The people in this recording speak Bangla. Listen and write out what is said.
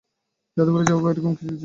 যাদুঘরে যাওয়া বা এরকম কিছু?